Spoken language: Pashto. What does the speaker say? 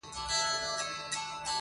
نه د ډیک غریب زړګی ورنه صبرېږي!!